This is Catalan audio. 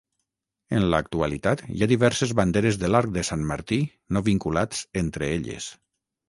En l'actualitat hi ha diverses banderes de l'arc de Sant Martí no vinculats entre elles.